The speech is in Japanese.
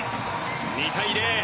２対０。